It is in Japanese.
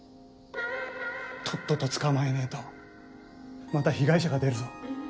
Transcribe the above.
とっとと捕まえねえとまた被害者が出るぞ。